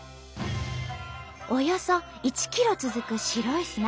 およそ１ｋｍ続く白い砂浜。